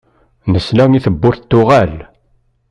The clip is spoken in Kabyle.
Nesla i tewwurt tuɣal.